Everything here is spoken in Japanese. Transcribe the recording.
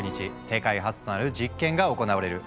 世界初となる実験が行われる。